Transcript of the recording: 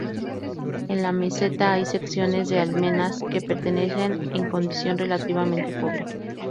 En la meseta, hay secciones de almenas que permanecen en condición relativamente pobre.